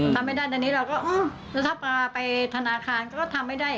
ทำไม่ได้ตอนนี้เราก็แล้วถ้าพาไปธนาคารก็ทำไม่ได้